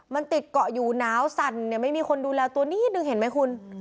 มันติดเกาะอยู่หนาวสั่นเนี่ยไม่มีคนดูแลตัวนิดนึงเห็นไหมคุณ